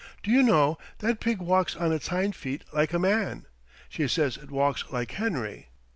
Do you know, that pig walks on its hind feet like a man? She says it walks like Henry....